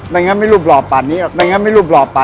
ไม่งั้นไม่รู้ปหลอกปากนี้อะ